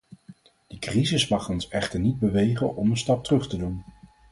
De crisis mag ons echter niet bewegen om een stap terug te doen.